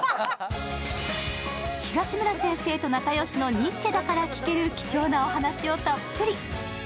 東村先生と仲良しのニッチェだから聞ける貴重なお話をたっぷり。